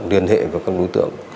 liên hệ với các đối tượng